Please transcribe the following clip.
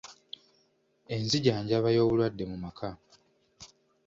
Enzijanjaba y’obulwadde mu maka.